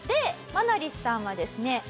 マナリスさんはですね